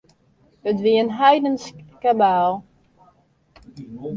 It wie in heidensk kabaal.